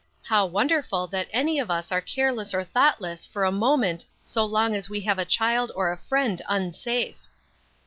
How wonderful that any of us are careless or thoughtless for a moment so long as we have a child or a friend unsafe!